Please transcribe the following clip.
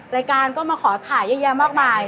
รายการก็มาขอถ่ายเยอะแยะมากมาย